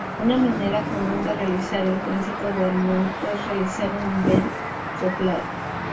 Una manera común de realizar el tránsito de armónico es realizar un "bend" soplado.